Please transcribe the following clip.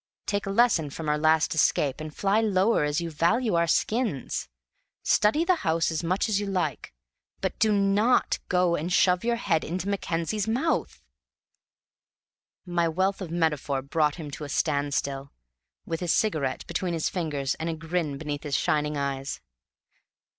Take a lesson from our last escape, and fly lower as you value our skins. Study the house as much as you like, but do not go and shove your head into Mackenzie's mouth!" My wealth of metaphor brought him to a stand still, with his cigarette between his fingers and a grin beneath his shining eyes.